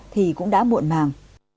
thì cũng đã muộn màng